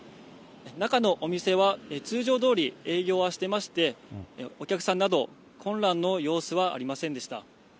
中のお店は通常どおり営業はしていまして、お客さんなど混乱の様子はありませんでした。